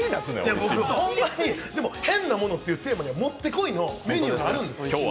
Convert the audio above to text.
僕、ほんまに、でも変なものっていうテーマにはもってこいのメニューがあるんです。